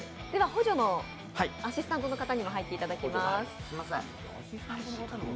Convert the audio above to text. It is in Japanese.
補助のアシスタントの方にも入っていただきます。